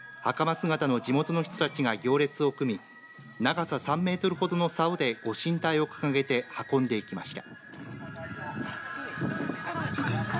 姿の地元の人たちが行列を組み長さ３メートルほどのさおでご神体を掲げて運んでいきました。